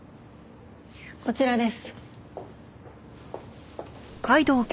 こちらです。